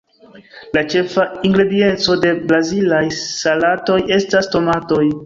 La ĉefa ingredienco de brazilaj salatoj estas tomatoj.